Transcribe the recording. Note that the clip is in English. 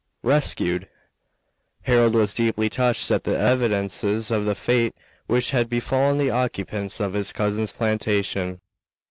RESCUED! Harold was deeply touched at the evidences of the fate which had befallen the occupants of his cousin's plantation.